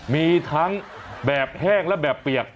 มีทั้งแบบแห้งและแบบเปียก